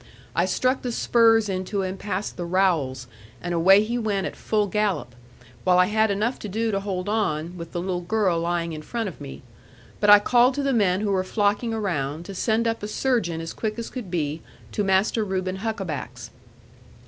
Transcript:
I struck the spurs into him past the rowels, and away he went at full gallop; while I had enough to do to hold on, with the little girl lying in front of me. But I called to the men who were flocking around, to send up a surgeon, as quick as could be, to Master Reuben Huckaback's.